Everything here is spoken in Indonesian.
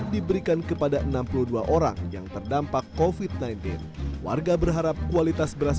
diberikan kepada enam puluh dua orang yang terdampak kofit sembilan belas warga berharap kualitas beras